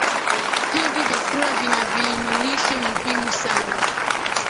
hivi vyakula vina viinilishe muhimu sana